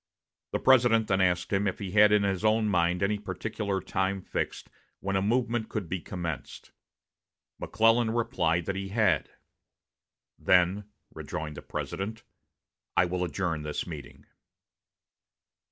The President then asked him if he had in his own mind any particular time fixed when a movement could be commenced. McClellan replied that he had. "Then," rejoined the President, "I will adjourn this meeting."